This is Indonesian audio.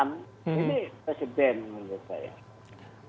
ini presiden menurut saya